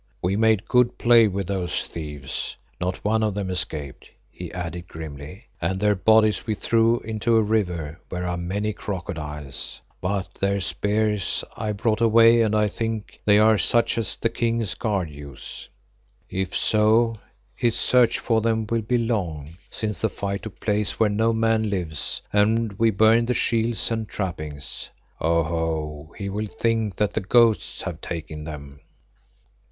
We made good play with those thieves; not one of them escaped," he added grimly, "and their bodies we threw into a river where are many crocodiles. But their spears I brought away and I think that they are such as the King's guard use. If so, his search for them will be long, since the fight took place where no man lives and we burned the shields and trappings. Oho! he will think that the ghosts have taken them."